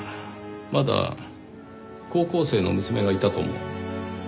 まだ高校生の娘がいたとも。